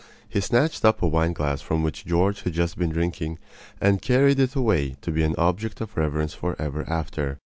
He snatched up a wine glass from which George had just been drinking and carried it away to be an object of reverence for ever after.